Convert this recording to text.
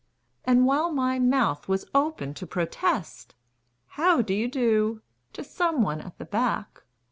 And, while my mouth was open to protest, "How do you do?" to some one at the back.